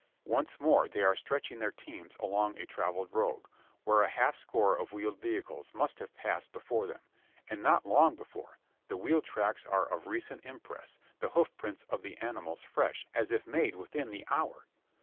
Once more they are stretching their teams along a travelled road where a half score of wheeled vehicles must have passed before them. And not long before: the wheel tracks are of recent impress the hoof prints of the animals fresh as if made within the hour.